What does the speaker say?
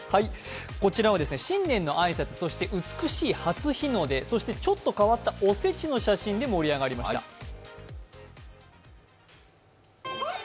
こちらは新年の挨拶、そして美しい初日の出、そしてちょっと変わったお節の写真で盛り上がりました。